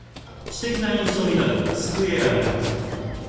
知的な印象になるスクエア型。